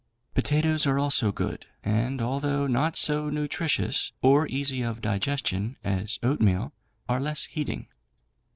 Potatoes are also good, and although not so nutritious, or easy of digestion, as oatmeal, are less heating.